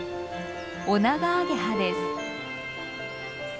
オナガアゲハです。